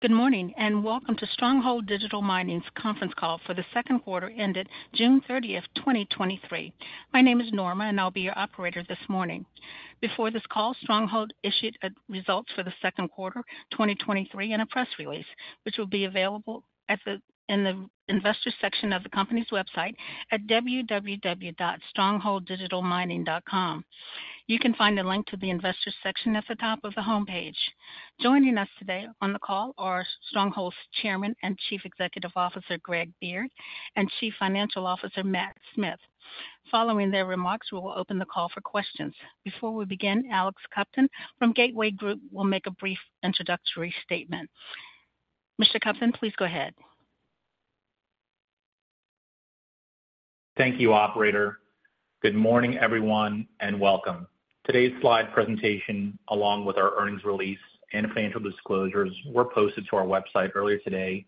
Good morning, and welcome to Stronghold Digital Mining's conference call for the second quarter ended June thirtieth, 2023. My name is Norma, and I'll be your operator this morning. Before this call, Stronghold issued a results for the second quarter 2023 in a press release, which will be available in the investor section of the company's website at www.strongholddigitalmining.com. You can find a link to the investor section at the top of the homepage. Joining us today on the call are Stronghold's Chairman and Chief Executive Officer, Greg Beard, and Chief Financial Officer, Matt Smith. Following their remarks, we will open the call for questions. Before we begin, Alex Kupton from Gateway Group will make a brief introductory statement. Mr. Kupton, please go ahead. Thank you, operator. Good morning, everyone, and welcome. Today's slide presentation, along with our earnings release and financial disclosures, were posted to our website earlier today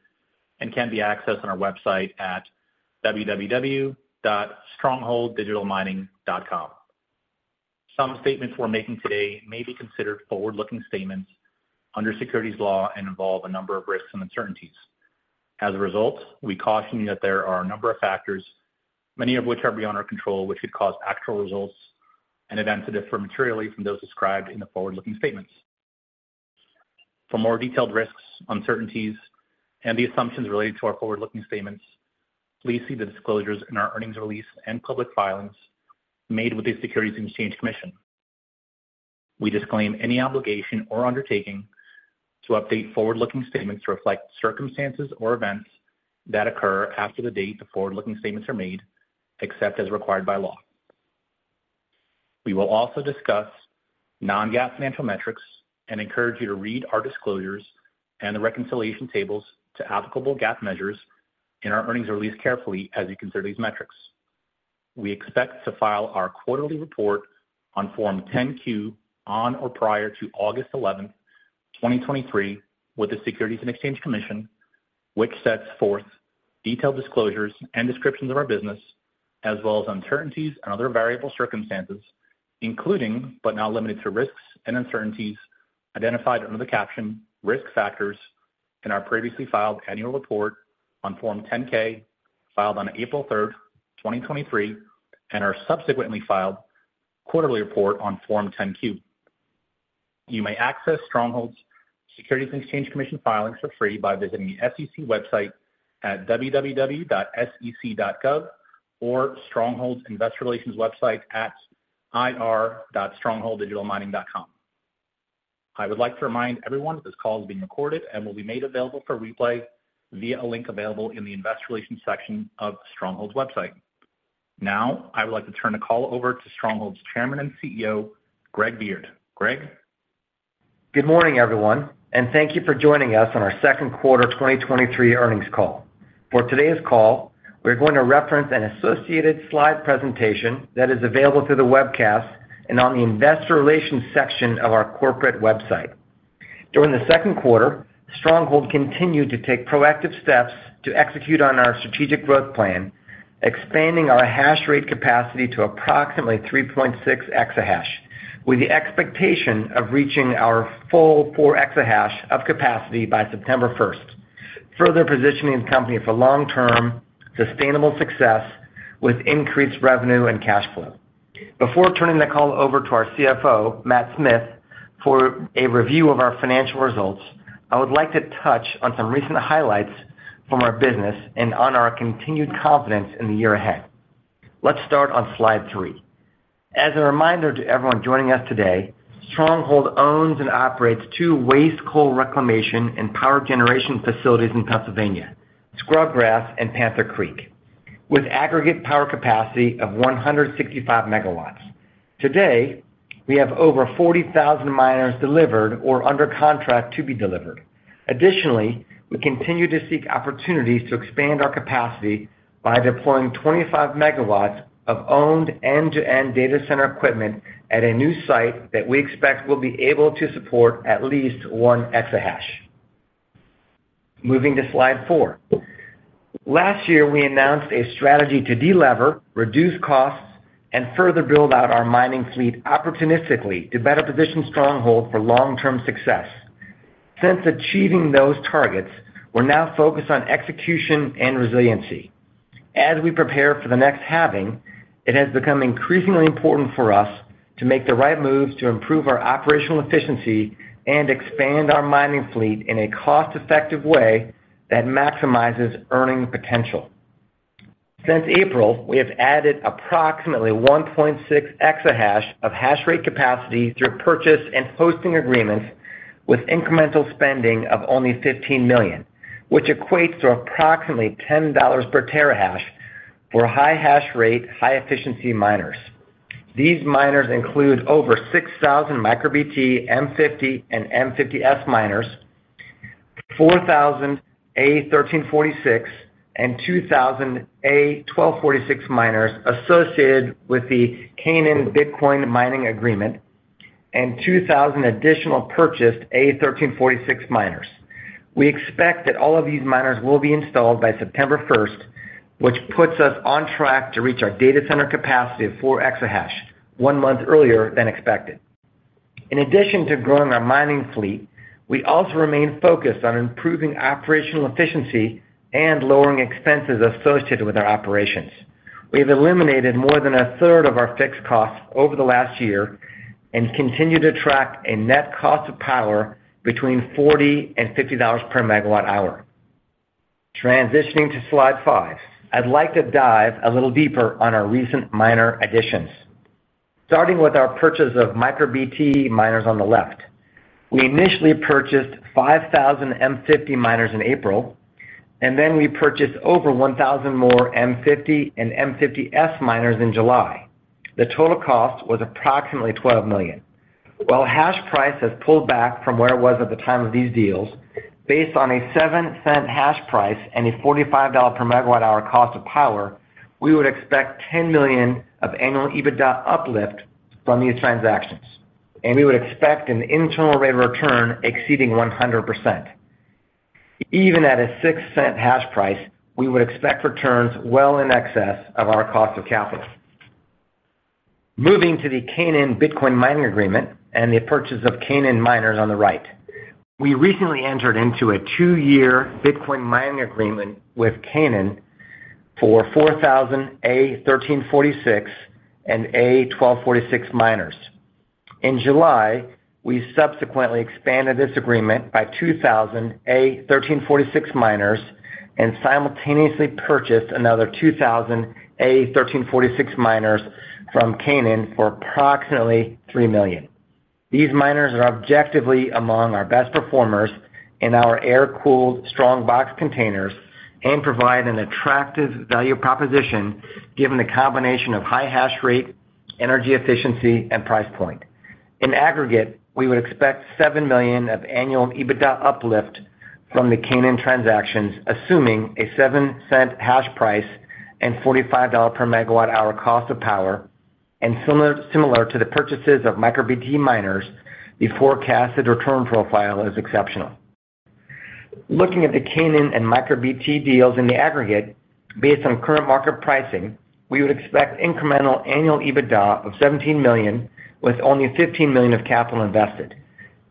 and can be accessed on our website at www.strongholddigitalmining.com. Some statements we're making today may be considered forward-looking statements under securities law and involve a number of risks and uncertainties. As a result, we caution you that there are a number of factors, many of which are beyond our control, which could cause actual results and events to differ materially from those described in the forward-looking statements. For more detailed risks, uncertainties, and the assumptions related to our forward-looking statements, please see the disclosures in our earnings release and public filings made with the Securities and Exchange Commission. We disclaim any obligation or undertaking to update forward-looking statements to reflect circumstances or events that occur after the date the forward-looking statements are made, except as required by law. We will also discuss non-GAAP financial metrics and encourage you to read our disclosures and the reconciliation tables to applicable GAAP measures in our earnings release carefully as you consider these metrics. We expect to file our quarterly report on Form 10-Q on or prior to August 11, 2023, with the Securities and Exchange Commission, which sets forth detailed disclosures and descriptions of our business, as well as uncertainties and other variable circumstances, including, but not limited to, risks and uncertainties identified under the caption Risk Factors in our previously filed annual report on Form 10-K, filed on April 3, 2023, and our subsequently filed quarterly report on Form 10-Q. You may access Stronghold's Securities and Exchange Commission filings for free by visiting the SEC website at www.sec.gov or Stronghold's Investor Relations website at ir.strongholddigitalmining.com. I would like to remind everyone this call is being recorded and will be made available for replay via a link available in the Investor Relations section of Stronghold's website. Now, I would like to turn the call over to Stronghold's Chairman and CEO, Greg Beard. Greg? Good morning, everyone. Thank you for joining us on our second quarter 2023 earnings call. For today's call, we're going to reference an associated slide presentation that is available through the webcast and on the Investor Relations section of our corporate website. During the second quarter, Stronghold continued to take proactive steps to execute on our strategic growth plan, expanding our hash rate capacity to approximately 3.6 exahash, with the expectation of reaching our full 4 exahash of capacity by September 1st, further positioning the company for long-term sustainable success with increased revenue and cash flow. Before turning the call over to our CFO, Matt Smith, for a review of our financial results, I would like to touch on some recent highlights from our business and on our continued confidence in the year ahead. Let's start on slide 3. As a reminder to everyone joining us today, Stronghold owns and operates two waste coal reclamation and power generation facilities in Pennsylvania, Scrubgrass and Panther Creek, with aggregate power capacity of 165 megawatts. Today, we have over 40,000 miners delivered or under contract to be delivered. Additionally, we continue to seek opportunities to expand our capacity by deploying 25 megawatts of owned end-to-end data center equipment at a new site that we expect will be able to support at least 1 exahash. Moving to slide 4. Last year, we announced a strategy to delever, reduce costs, and further build out our mining fleet opportunistically to better position Stronghold for long-term success. Since achieving those targets, we're now focused on execution and resiliency. As we prepare for the next halving, it has become increasingly important for us to make the right moves to improve our operational efficiency and expand our mining fleet in a cost-effective way that maximizes earning potential. Since April, we have added approximately 1.6 exahash of hash rate capacity through purchase and hosting agreements with incremental spending of only $15 million, which equates to approximately $10 per terahash for high hash rate, high-efficiency miners. These miners include over 6,000 MicroBT M50 and M50S miners, 4,000 A1346, and 2,000 A1246 miners associated with the Canaan Bitcoin mining agreement, and 2,000 additional purchased A1346 miners. We expect that all of these miners will be installed by September 1st, which puts us on track to reach our data center capacity of 4 exahash, 1 month earlier than expected. In addition to growing our mining fleet, we also remain focused on improving operational efficiency and lowering expenses associated with our operations. We have eliminated more than a third of our fixed costs over the last year, and continue to track a net cost of power between $40 and $50 per megawatt-hour. Transitioning to slide 5, I'd like to dive a little deeper on our recent miner additions. Starting with our purchase of MicroBT miners on the left. We initially purchased 5,000 M-fifty miners in April, and then we purchased over 1,000 more M-fifty and M-fifty S miners in July. The total cost was approximately $12 million. While hash price has pulled back from where it was at the time of these deals, based on a $0.07 hash price and a $45 per megawatt-hour cost of power, we would expect $10 million of annual EBITDA uplift from these transactions. We would expect an internal rate of return exceeding 100%. Even at a $0.06 hash price, we would expect returns well in excess of our cost of capital. Moving to the Canaan Bitcoin mining agreement and the purchase of Canaan miners on the right. We recently entered into a 2-year Bitcoin mining agreement with Canaan for 4,000 A1346 and A1246 miners. In July, we subsequently expanded this agreement by 2,000 A1346 miners and simultaneously purchased another 2,000 A1346 miners from Canaan for approximately $3 million. These miners are objectively among our best performers in our air-cooled StrongBox containers and provide an attractive value proposition, given the combination of high hash rate, energy efficiency, and price point. In aggregate, we would expect $7 million of annual EBITDA uplift from the Canaan transactions, assuming a $0.07 hash price and $45 per megawatt-hour cost of power, and similar to the purchases of MicroBT miners, the forecasted return profile is exceptional. Looking at the Canaan and MicroBT deals in the aggregate, based on current market pricing, we would expect incremental annual EBITDA of $17 million, with only $15 million of capital invested,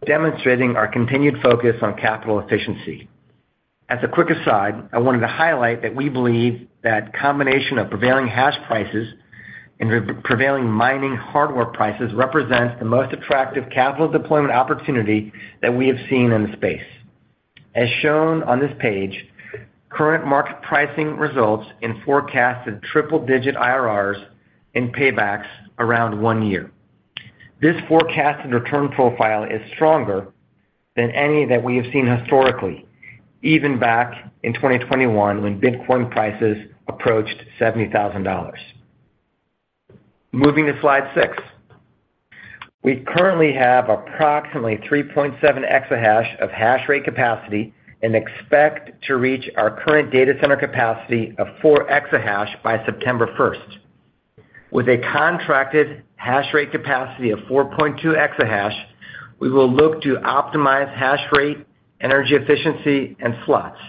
demonstrating our continued focus on capital efficiency. As a quick aside, I wanted to highlight that we believe that combination of prevailing hash prices and prevailing mining hardware prices represents the most attractive capital deployment opportunity that we have seen in the space. As shown on this page, current market pricing results in forecasted triple-digit IRRs and paybacks around one year. This forecasted return profile is stronger than any that we have seen historically, even back in 2021, when Bitcoin prices approached $70,000. Moving to slide 6. We currently have approximately 3.7 exahash of hash rate capacity and expect to reach our current data center capacity of 4 exahash by September 1st. With a contracted hash rate capacity of 4.2 exahash, we will look to optimize hash rate, energy efficiency, and slots,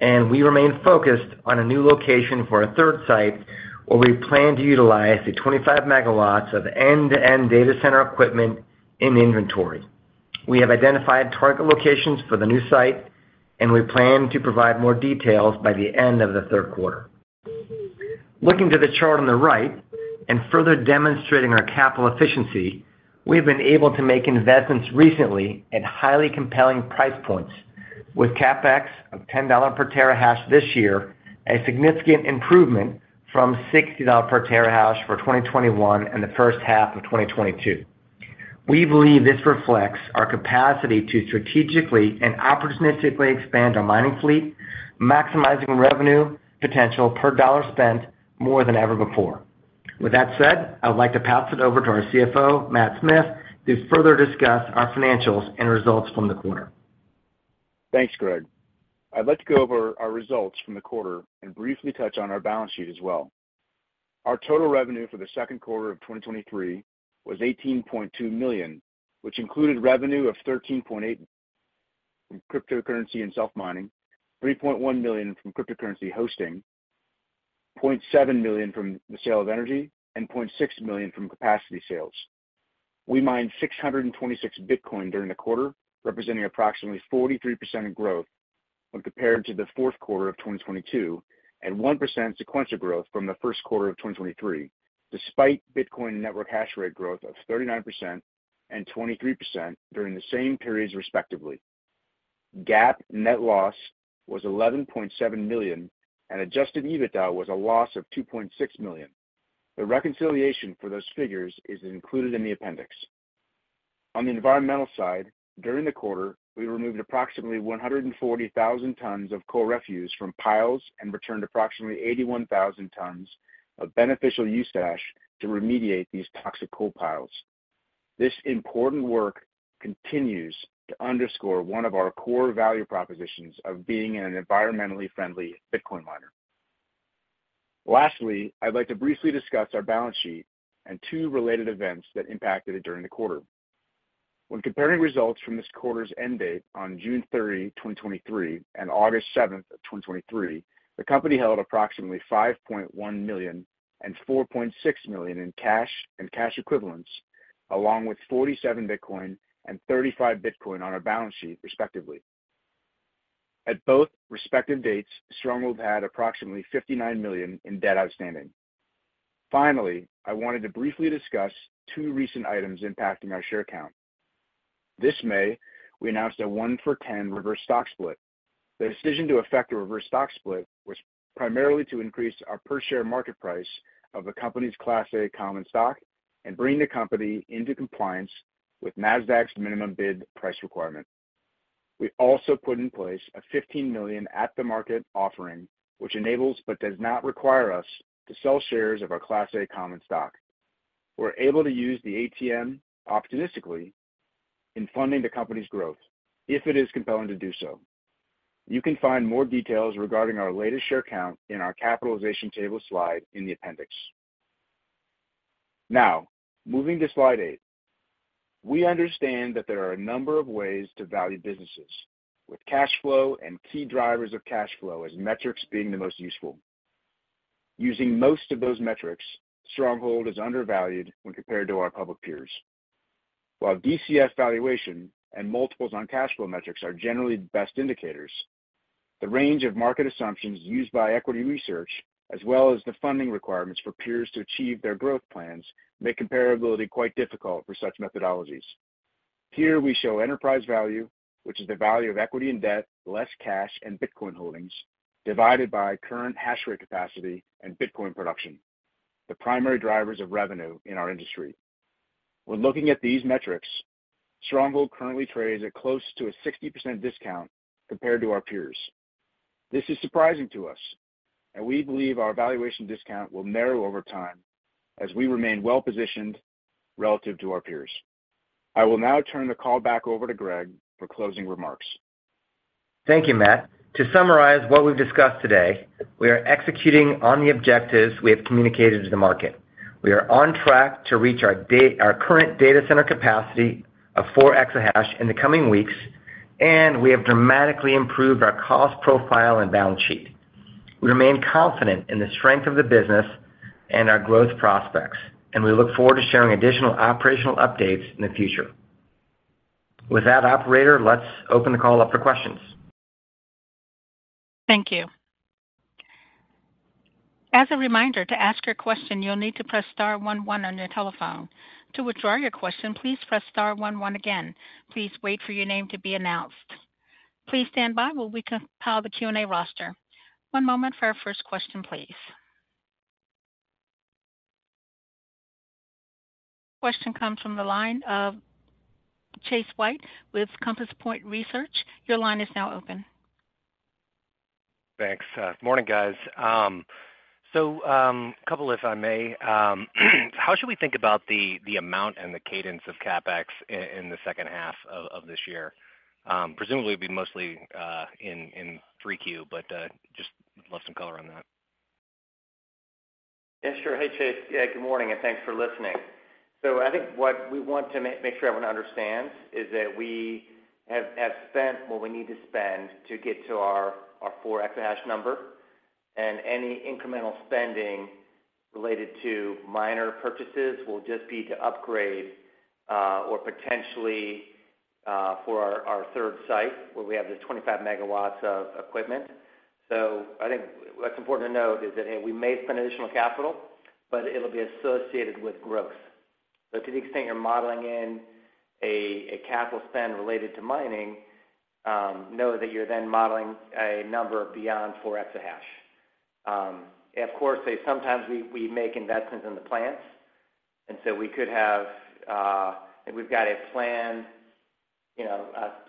and we remain focused on a new location for a third site, where we plan to utilize the 25 megawatts of end-to-end data center equipment in inventory. We have identified target locations for the new site, and we plan to provide more details by the end of the 3rd quarter. Looking to the chart on the right and further demonstrating our capital efficiency, we've been able to make investments recently at highly compelling price points, with CapEx of $10 per terahash this year, a significant improvement from $60 per terahash for 2021 and the first half of 2022. We believe this reflects our capacity to strategically and opportunistically expand our mining fleet, maximizing revenue potential per dollar spent more than ever before. With that said, I would like to pass it over to our CFO, Matt Smith, to further discuss our financials and results from the quarter. Thanks, Greg. I'd like to go over our results from the quarter and briefly touch on our balance sheet as well. Our total revenue for the second quarter of 2023 was $18.2 million, which included revenue of $13.8 million from cryptocurrency and self-mining, $3.1 million from cryptocurrency hosting, $0.7 million from the sale of energy, and $0.6 million from capacity sales. We mined 626 Bitcoin during the quarter, representing approximately 43% growth when compared to the fourth quarter of 2022, and 1% sequential growth from the first quarter of 2023, despite Bitcoin network hash rate growth of 39% and 23% during the same periods, respectively. GAAP net loss was $11.7 million, and Adjusted EBITDA was a loss of $2.6 million. The reconciliation for those figures is included in the appendix. On the environmental side, during the quarter, we removed approximately 140,000 tons of coal refuse from piles and returned approximately 81,000 tons of beneficial use ash to remediate these toxic coal piles. This important work continues to underscore one of our core value propositions of being an environmentally friendly Bitcoin miner. Lastly, I'd like to briefly discuss our balance sheet and two related events that impacted it during the quarter. When comparing results from this quarter's end date on June 30, 2023, and August 7, 2023, the company held approximately $5.1 million and $4.6 million in cash and cash equivalents, along with 47 Bitcoin and 35 Bitcoin on our balance sheet, respectively. At both respective dates, Stronghold had approximately $59 million in debt outstanding. Finally, I wanted to briefly discuss two recent items impacting our share count. This May, we announced a 1 for 10 reverse stock split. The decision to affect a reverse stock split was primarily to increase our per share market price of the company's Class A common stock and bring the company into compliance with Nasdaq's minimum bid price requirement. We also put in place a $15 million at-the-market offering, which enables, but does not require us to sell shares of our Class A common stock. We're able to use the ATM optimistically in funding the company's growth if it is compelling to do so. You can find more details regarding our latest share count in our capitalization table slide in the appendix. Now, moving to slide 8. We understand that there are a number of ways to value businesses, with cash flow and key drivers of cash flow as metrics being the most useful. Using most of those metrics, Stronghold is undervalued when compared to our public peers. While DCF valuation and multiples on cash flow metrics are generally the best indicators, the range of market assumptions used by equity research, as well as the funding requirements for peers to achieve their growth plans, make comparability quite difficult for such methodologies. Here we show enterprise value, which is the value of equity and debt, less cash and Bitcoin holdings, divided by current hash rate capacity and Bitcoin production, the primary drivers of revenue in our industry. When looking at these metrics, Stronghold currently trades at close to a 60% discount compared to our peers. This is surprising to us, and we believe our valuation discount will narrow over time as we remain well positioned relative to our peers. I will now turn the call back over to Greg for closing remarks. Thank you, Matt. To summarize what we've discussed today, we are executing on the objectives we have communicated to the market. We are on track to reach our current data center capacity of 4 exahash in the coming weeks. We have dramatically improved our cost profile and balance sheet. We remain confident in the strength of the business and our growth prospects. We look forward to sharing additional operational updates in the future. With that, operator, let's open the call up for questions. Thank you. As a reminder, to ask your question, you'll need to press star one one on your telephone. To withdraw your question, please press star one one again. Please wait for your name to be announced. Please stand by while we compile the Q&A roster. One moment for our first question, please. Question comes from the line of Chase White with Compass Point Research. Your line is now open. Thanks. Morning, guys. A couple, if I may. How should we think about the, the amount and the cadence of CapEx in, in the second half of, of this year? Presumably, it'd be mostly, in, in 3Q, but, just love some color on that. Yeah, sure. Hey, Chase. Yeah, good morning, and thanks for listening. I think what we want to make sure everyone understands is that we have spent what we need to spend to get to our, our 4 exahash number, and any incremental spending related to miner purchases will just be to upgrade, or potentially, for our, our third site, where we have the 25 megawatts of equipment. I think what's important to note is that, hey, we may spend additional capital, but it'll be associated with growth. To the extent you're modeling in a, a capital spend related to mining, know that you're then modeling a number beyond 4 exahash. Of course, say, sometimes we, we make investments in the plants, and so we could have, and we've got a plan, you know,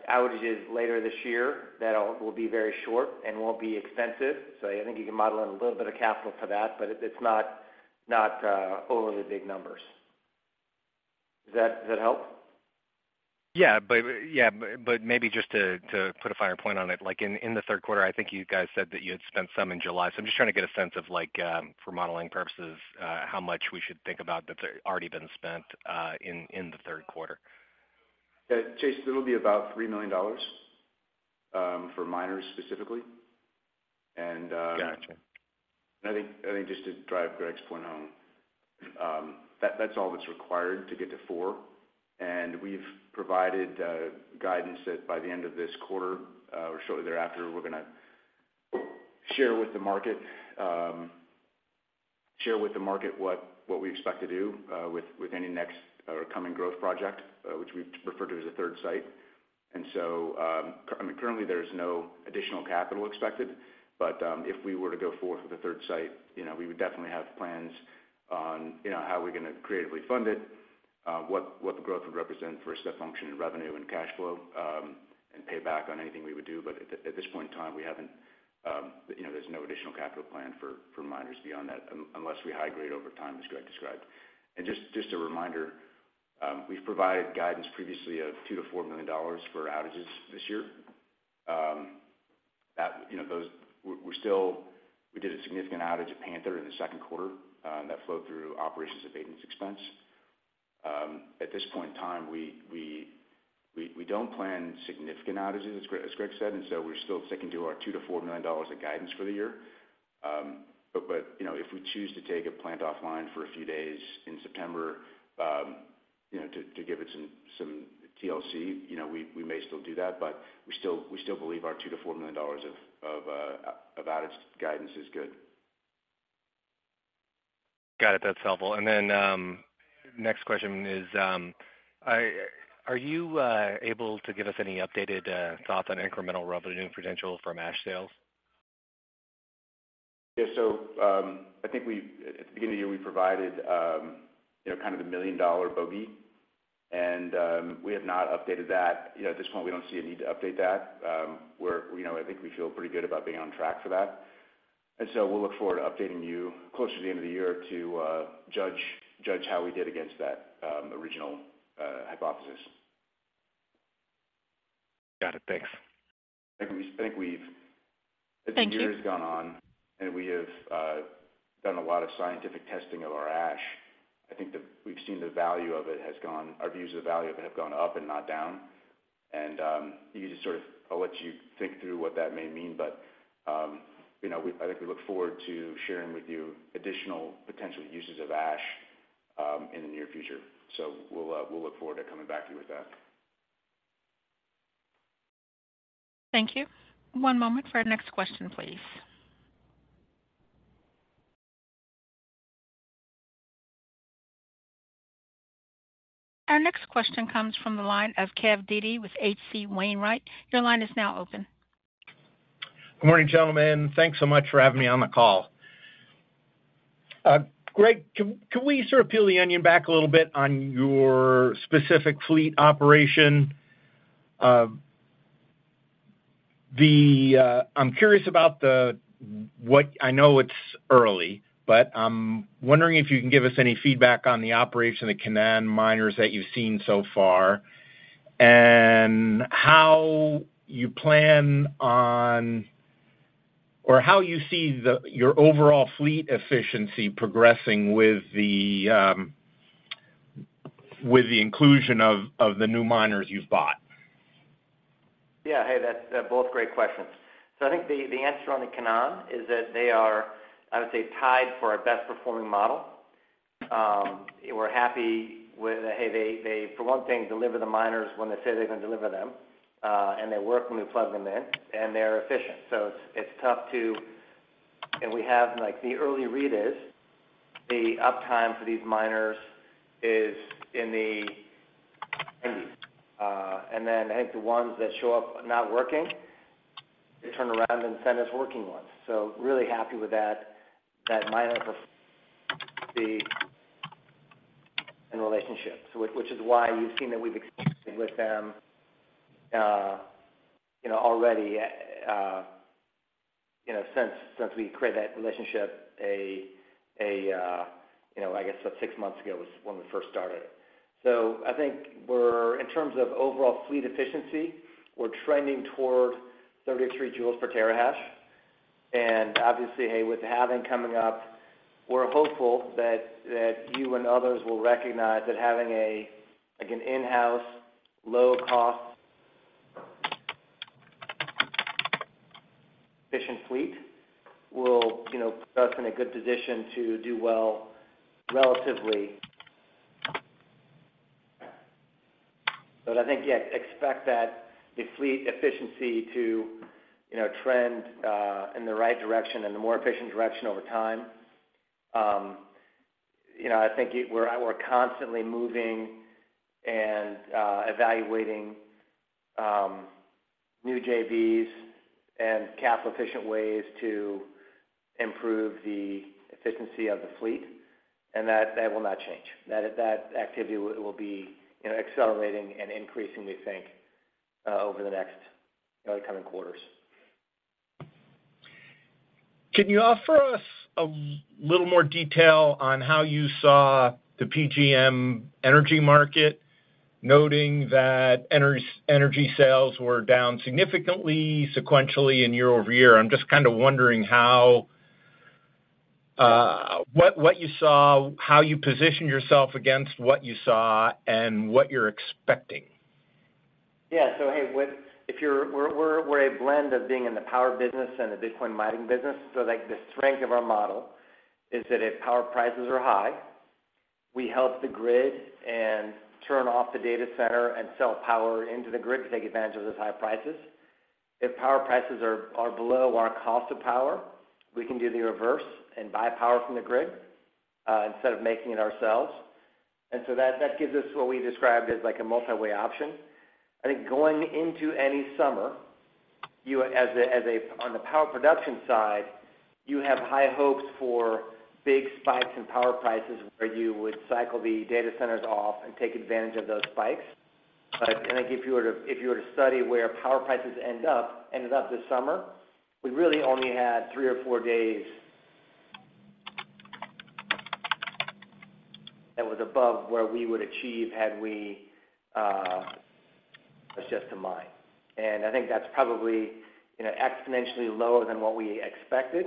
outages later this year that'll be very short and won't be extensive. I think you can model in a little bit of capital for that, but it's not, all of the big numbers. Does that, does that help? Maybe just to, to put a finer point on it, like in, in the third quarter, I think you guys said that you had spent some in July. I'm just trying to get a sense of like, for modeling purposes, how much we should think about that's already been spent, in the third quarter. Yeah, Chase, it'll be about $3 million for miners specifically. Gotcha. I think, I think just to drive Greg's point home, that's all that's required to get to 4. We've provided guidance that by the end of this quarter, or shortly thereafter, we're gonna share with the market, share with the market what, what we expect to do, with, with any next or coming growth project, which we've referred to as a third site. Currently there is no additional capital expected, if we were to go forward with a third site, you know, we would definitely have plans on, you know, how we're gonna creatively fund it, what, what the growth would represent for a step function in revenue and cash flow, and pay back on anything we would do. At this point in time, we haven't, you know, there's no additional capital plan for miners beyond that, unless we high grade over time, as Greg described. Just a reminder, we've provided guidance previously of $2 million-$4 million for outages this year. That, you know, we're still, we did a significant outage at Panther in the second quarter, that flowed through operations of maintenance expense. At this point in time, we don't plan significant outages, as Greg said, and so we're still sticking to our $2 million-$4 million of guidance for the year. But, you know, if we choose to take a plant offline for a few days in September, you know, to, to give it some, some TLC, you know, we, we may still do that, but we still, we still believe our $2 million-$4 million of, of outage guidance is good. Got it. That's helpful. Next question is, are you able to give us any updated thoughts on incremental revenue potential from ash sales? Yeah. I think we, at the beginning of the year, we provided, you know, kind of a $1 million bogey, and, we have not updated that. You know, at this point, we don't see a need to update that. We're, you know, I think we feel pretty good about being on track for that. We'll look forward to updating you closer to the end of the year to, judge, judge how we did against that, original, hypothesis. Got it. Thanks. I think we've. Thank you. As the year has gone on, and we have done a lot of scientific testing of our ash, I think we've seen the value of it has gone... Our views of the value of it have gone up and not down. You just sort of, I'll let you think through what that may mean, but, you know, we, I think we look forward to sharing with you additional potential uses of ash, in the near future. We'll look forward to coming back to you with that. Thank you. One moment for our next question, please. Our next question comes from the line of Kevin Dede with H.C. Wainwright. Your line is now open. Good morning, gentlemen. Thanks so much for having me on the call. Greg, can, can we sort of peel the onion back a little bit on your specific fleet operation? I'm curious about what... I know it's early, but I'm wondering if you can give us any feedback on the operation of the Canaan miners that you've seen so far, and how you see the, your overall fleet efficiency progressing with the inclusion of, of the new miners you've bought? Yeah. Hey, that's both great questions. I think the answer on the Canaan is that they are, I would say, tied for our best-performing model. We're happy with, hey, they, they, for one thing, deliver the miners when they say they're going to deliver them, and they work when we plug them in, and they're efficient. It's, it's tough to... And we have, like, the early read is, the uptime for these miners is in the eighties. And then I think the ones that show up not working, they turn around and send us working ones. Really happy with that, that miner and relationship. Which, which is why you've seen that we've with them, you know, already, you know, since, since we created that relationship, a, a, you know, I guess about 6 months ago was when we first started. I think we're, in terms of overall fleet efficiency, we're trending toward 33 joules per terahash. Obviously, hey, with the halving coming up, we're hopeful that, that you and others will recognize that having a, like, an in-house, low-cost, efficient fleet will, you know, put us in a good position to do well relatively. I think, yeah, expect that the fleet efficiency to, you know, trend in the right direction and the more efficient direction over time. You know, I think we're, we're constantly moving and evaluating new JVs and capital-efficient ways to improve the efficiency of the fleet, and that, that will not change. That, that activity will, will be, you know, accelerating and increasing, we think, over the next coming quarters. Can you offer us a little more detail on how you saw the PJM energy market, noting that energy sales were down significantly, sequentially and year-over-year? I'm just kind of wondering how, what you saw, how you positioned yourself against what you saw and what you're expecting. Yeah. Hey, what if you're we're we're we're a blend of being in the power business and the Bitcoin mining business. Like, the strength of our model is that if power prices are high, we help the grid and turn off the data center and sell power into the grid to take advantage of those high prices. If power prices are below our cost of power, we can do the reverse and buy power from the grid instead of making it ourselves. That gives us what we described as, like, a multi-way option. I think going into any summer, you as a as a on the power production side, you have high hopes for big spikes in power prices, where you would cycle the data centers off and take advantage of those spikes. I think if you were to, if you were to study where power prices end up, ended up this summer, we really only had 3 or 4 days... above where we would achieve had we adjusted mine. I think that's probably, you know, exponentially lower than what we expected.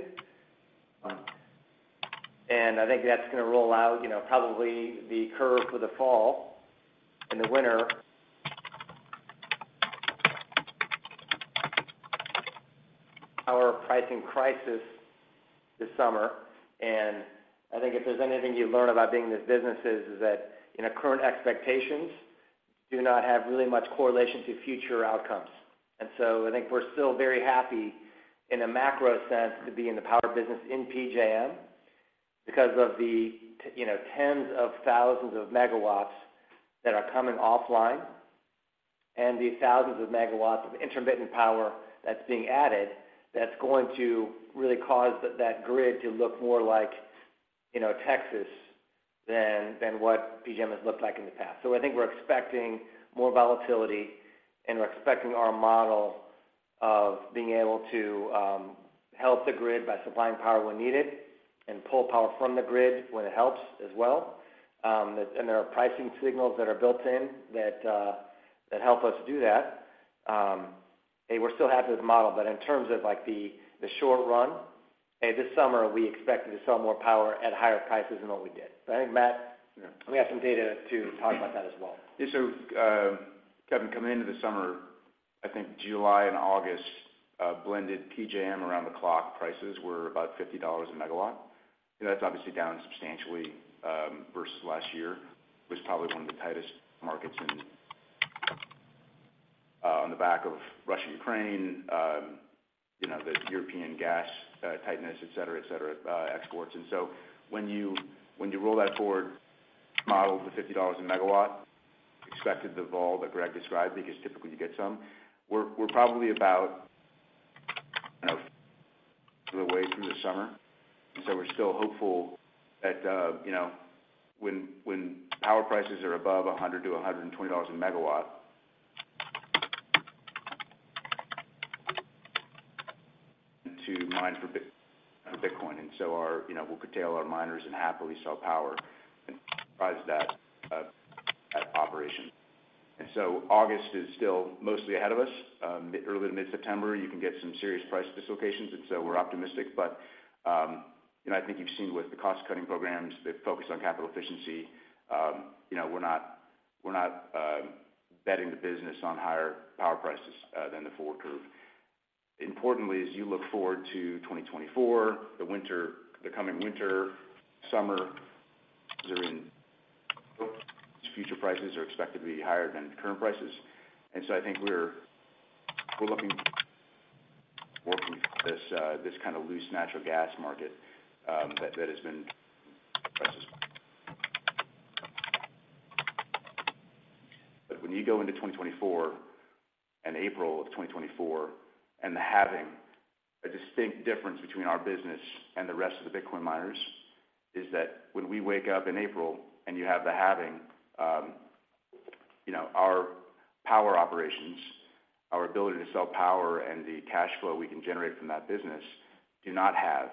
I think that's gonna roll out, you know, probably the curve for the fall and the winter. Our pricing crisis this summer. I think if there's anything you learn about being in this business is, is that, you know, current expectations do not have really much correlation to future outcomes. I think we're still very happy in a macro sense, to be in the power business in PJM because of the you know, tens of thousands of megawatts that are coming offline, and the thousands of megawatts of intermittent power that's being added, that's going to really cause that grid to look more like, you know, Texas than what PJM has looked like in the past. I think we're expecting more volatility, and we're expecting our model of being able to help the grid by supplying power when needed and pull power from the grid when it helps as well. There are pricing signals that are built in that help us do that. We're still happy with the model, but in terms of, like, the, the short run, okay, this summer, we expected to sell more power at higher prices than what we did. I think, Matt- Yeah. we have some data to talk about that as well. Yeah, Kevin, coming into the summer, I think July and August, blended PJM around the clock prices were about $50 a megawatt. That's obviously down substantially versus last year, was probably one of the tightest markets in. On the back of Russia and Ukraine, you know, the European gas tightness, et cetera, et cetera, exports. So when you, when you roll that forward model with $50 a megawatt, expected the vol that Greg described, because typically you get some. We're, we're probably about, you know, away through the summer, and so we're still hopeful that, you know, when, when power prices are above $100-$120 a megawatt, to mine for Bitcoin. Our-- You know, we'll curtail our miners and happily sell power and price that operation. August is still mostly ahead of us. Early to mid-September, you can get some serious price dislocations, and so we're optimistic. I think you've seen with the cost-cutting programs, the focus on capital efficiency, you know, we're not, we're not betting the business on higher power prices than the forward curve. Importantly, as you look forward to 2024, the winter, the coming winter, summer, during future prices are expected to be higher than current prices. I think we're, we're looking working this kind of loose natural gas market that, that has been. When you go into 2024, and April of 2024, and the halving, a distinct difference between our business and the rest of the Bitcoin miners, is that when we wake up in April and you have the halving, you know, our power operations, our ability to sell power and the cash flow we can generate from that business do not have,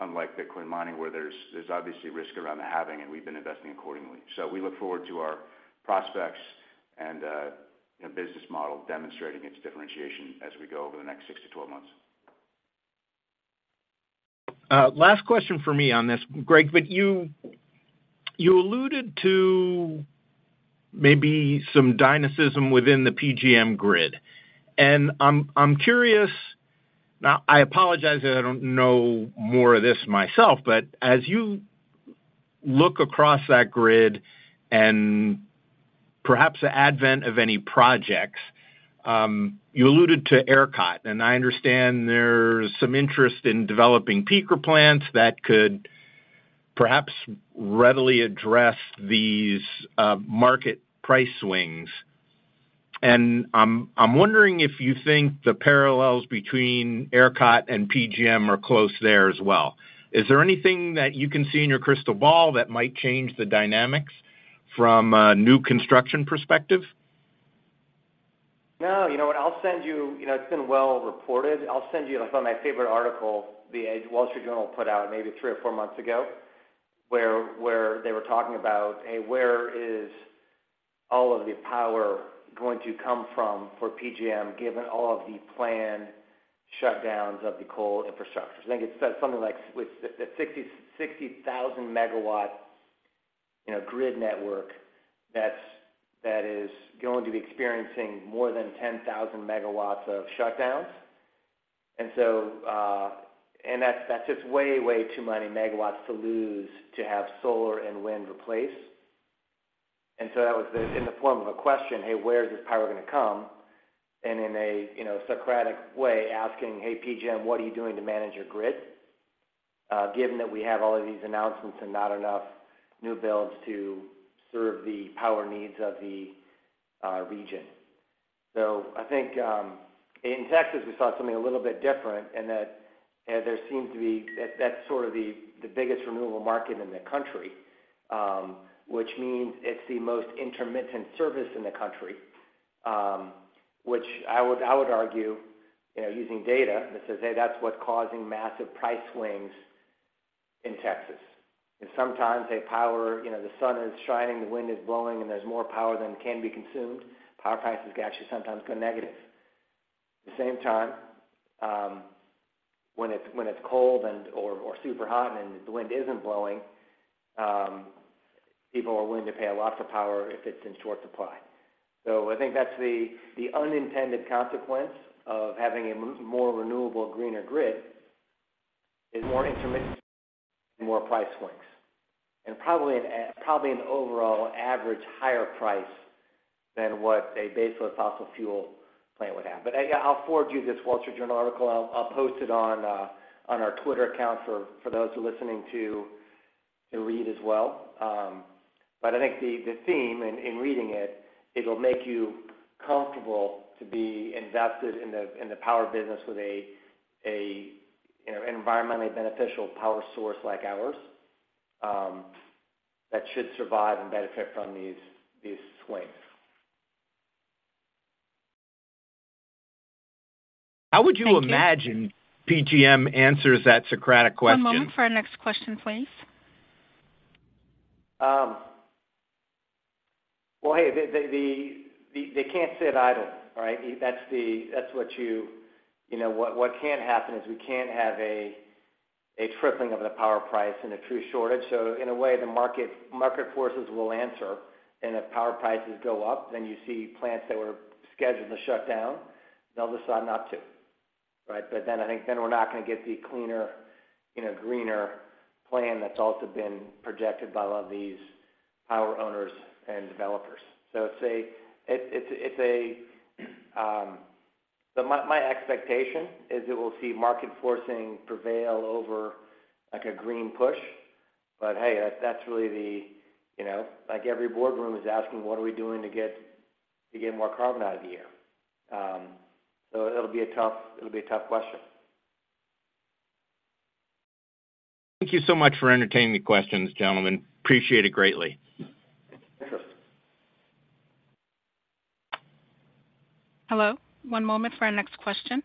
unlike Bitcoin mining, where there's, there's obviously risk around the halving, and we've been investing accordingly. We look forward to our prospects and the business model demonstrating its differentiation as we go over the next 6-12 months. Last question for me on this, Greg, but you, you alluded to maybe some dynamism within the PJM grid. I'm curious. Now, I apologize that I don't know more of this myself, but as you look across that grid and perhaps the advent of any projects, you alluded to ERCOT, and I understand there's some interest in developing peaker plants that could perhaps readily address these market price swings. I'm wondering if you think the parallels between ERCOT and PJM are close there as well. Is there anything that you can see in your crystal ball that might change the dynamics from a new construction perspective? No, you know what? I'll send you. You know, it's been well reported. I'll send you, I found my favorite article, The Wall Street Journal put out maybe 3 or 4 months ago, where they were talking about, hey, where is all of the power going to come from for PJM, given all of the planned shutdowns of the coal infrastructure? I think it said something like with the 60,000 MW, you know, grid network, that is going to be experiencing more than 10,000 megawatts of shutdowns. So that's just way too many megawatts to lose to have solar and wind replaced. So that was the, in the form of a question: Hey, where is this power going to come? In a, you know, Socratic way, asking: Hey, PJM, what are you doing to manage your grid, given that we have all of these announcements and not enough new builds to serve the power needs of the region? I think, in Texas, we saw something a little bit different in that, there seems to be that that's sort of the, the biggest renewable market in the country, which means it's the most intermittent service in the country. Which I would, I would argue, you know, using data that says, hey, that's what's causing massive price swings in Texas. Sometimes a power, you know, the sun is shining, the wind is blowing, and there's more power than can be consumed. Power prices actually sometimes go negative. At the same time, when it's, when it's cold and or, or super hot and the wind isn't blowing, people are willing to pay a lot for power if it's in short supply. I think that's the, the unintended consequence of having a more renewable greener grid, is more intermittency, more price swings, and probably an overall average higher price than what a baseload fossil fuel plant would have. Yeah, I'll forward you this Wall Street Journal article. I'll, I'll post it on our Twitter account for, for those who are listening to, to read as well. I think the, the theme in, in reading it, it'll make you comfortable to be invested in the, in the power business with a, a, you know, environmentally beneficial power source like ours, that should survive and benefit from these, these swings. How would you imagine PJM answers that Socratic question? One moment for our next question, please. Well, hey, They can't sit idle, right? That's the, that's what you... You know, what, what can happen is we can have a, a tripling of the power price and a true shortage. In a way, the market, market forces will answer, and if power prices go up, then you see plants that were scheduled to shut down, they'll decide not to, right? Then I think then we're not going to get the cleaner, you know, greener plan that's also been projected by a lot of these power owners and developers. It's a, it's, it's a. My, my expectation is that we'll see market forcing prevail over, like, a green push. Hey, that's really the, you know, like, every boardroom is asking, what are we doing to get, to get more carbon out of the air? It'll be a tough, it'll be a tough question. Thank you so much for entertaining the questions, gentlemen. Appreciate it greatly. Hello. One moment for our next question.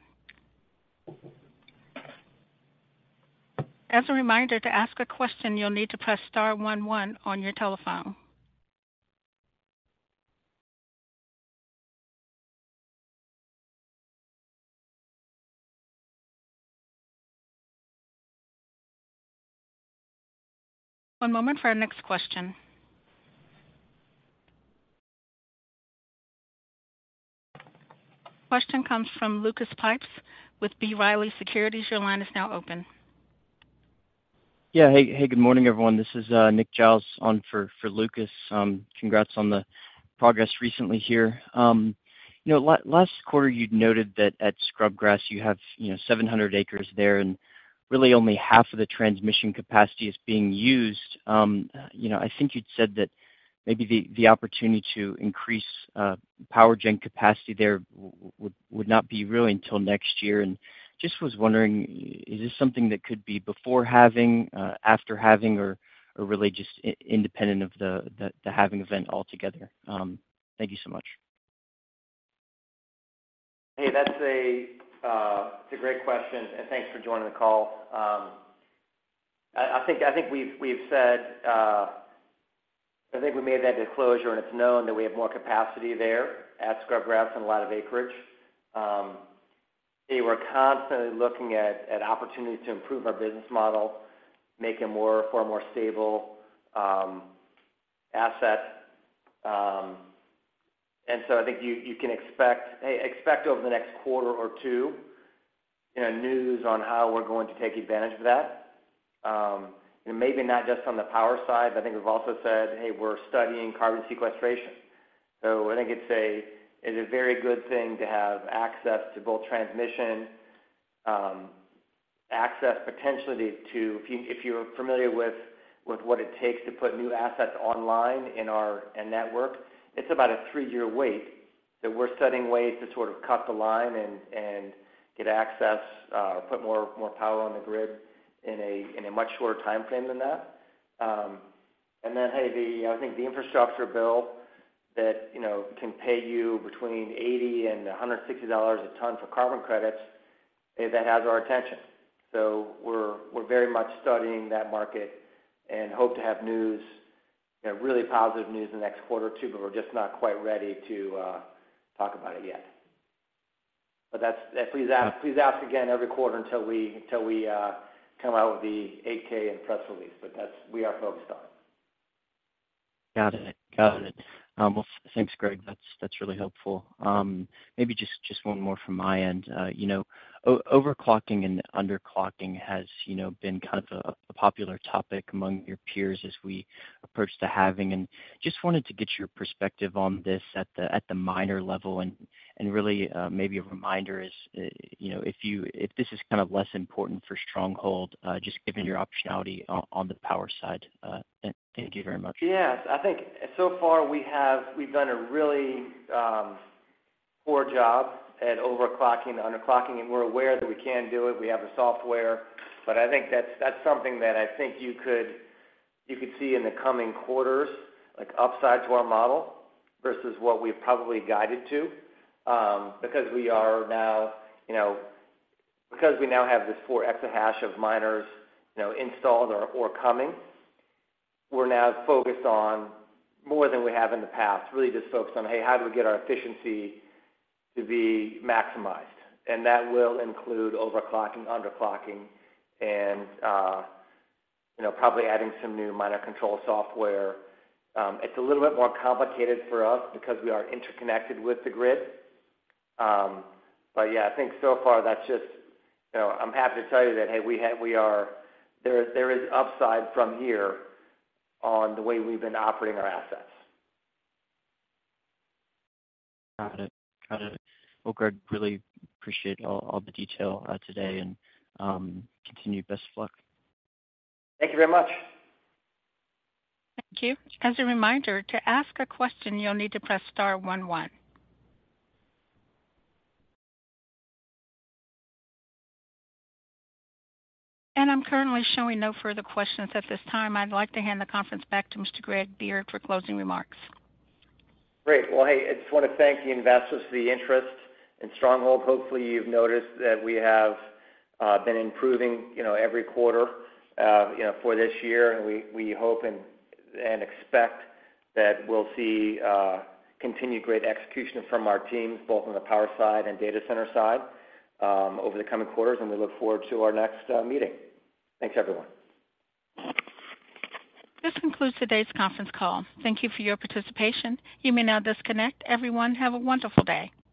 As a reminder, to ask a question, you'll need to press star 11 on your telephone. One moment for our next question. Question comes from Lucas Pipes with B. Riley Securities. Your line is now open. Yeah. Hey, hey, good morning, everyone. This is Nick Giles on for Lucas. Congrats on the progress recently here. You know, last quarter, you'd noted that at Scrubgrass, you have, you know, 700 acres there, and really only half of the transmission capacity is being used. You know, I think you'd said that maybe the opportunity to increase power gen capacity there would not be really until next year. Just was wondering, is this something that could be before halving, after halving, or really just independent of the halving event altogether? Thank you so much. Hey, that's a, it's a great question, and thanks for joining the call. I, I think, I think we've, we've said, I think we made that disclosure, and it's known that we have more capacity there at Scrubgrass and a lot of acreage. We're constantly looking at, at opportunities to improve our business model, make it more for a more stable, asset. So I think you, you can expect, hey, expect over the next quarter or two, you know, news on how we're going to take advantage of that. Maybe not just on the power side, but I think we've also said, hey, we're studying carbon sequestration. I think it's a, it's a very good thing to have access to both transmission, access potentially to, if you, if you're familiar with, with what it takes to put new assets online in our network, it's about a three-year wait, that we're studying ways to sort of cut the line and get access, put more power on the grid in a much shorter timeframe than that. I think the infrastructure bill that, you know, can pay you between $80 and $160 a ton for carbon credits, that has our attention. We're, we're very much studying that market and hope to have news, you know, really positive news in the next quarter or two, but we're just not quite ready to talk about it yet. Please ask, please ask again every quarter until we, until we come out with the Form 8-K and press release. We are focused on. Got it. Got it. Well, thanks, Greg. That's, that's really helpful. Maybe just, just one more from my end. You know, overclocking and underclocking has, you know, been kind of a, a popular topic among your peers as we approach the halving. Just wanted to get your perspective on this at the, at the miner level and, and really, maybe a reminder is, you know, if this is kind of less important for Stronghold, just given your optionality on, on the power side. Thank you very much. Yes. I think so far we have we've done a really poor job at overclocking, underclocking, and we're aware that we can do it. We have the software, I think that's that's something that I think you could you could see in the coming quarters, like upside to our model versus what we've probably guided to, because we are now, you know, because we now have this 4 exahash of miners, you know, installed or, or coming, we're now focused on more than we have in the past, really just focused on, hey, how do we get our efficiency to be maximized? That will include overclocking, underclocking, and, you know, probably adding some new miner control software. It's a little bit more complicated for us because we are interconnected with the grid. Yeah, I think so far that's just, you know, I'm happy to tell you that, hey, we are, there is, there is upside from here on the way we've been operating our assets. Got it. Got it. Well, Greg, really appreciate all, all the detail, today, and continued best of luck. Thank you very much. Thank you. As a reminder, to ask a question, you'll need to press star one one. I'm currently showing no further questions at this time. I'd like to hand the conference back to Mr. Greg Beard for closing remarks. Great. Well, hey, I just want to thank the investors for the interest in Stronghold. Hopefully, you've noticed that we have been improving, you know, every quarter, you know, for this year. We, we hope and expect that we'll see continued great execution from our teams, both on the power side and data center side, over the coming quarters. We look forward to our next meeting. Thanks, everyone. This concludes today's conference call. Thank you for your participation. You may now disconnect. Everyone, have a wonderful day.